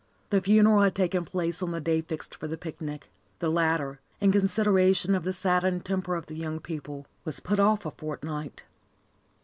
The funeral had taken place on the day fixed for the picnic. The latter, in consideration of the saddened temper of the young people, was put off a fortnight.